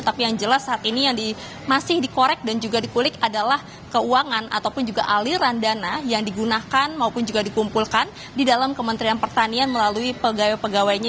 tapi yang jelas saat ini yang masih dikorek dan juga dikulik adalah keuangan ataupun juga aliran dana yang digunakan maupun juga dikumpulkan di dalam kementerian pertanian melalui pegawai pegawainya